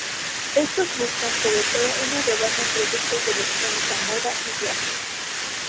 Estos buscan, sobre todo, una rebaja en productos de electrónica, moda y viajes.